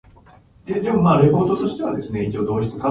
あさくらみくる